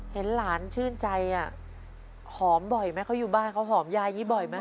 เห็นหลานชื่นใจอ่ะหอมบ่อยไหมเขาอยู่บ้านเขาหอมยายอย่างนี้บ่อยไหม